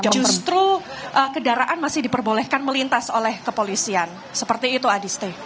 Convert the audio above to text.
justru kendaraan masih diperbolehkan melintas oleh kepolisian seperti itu adisti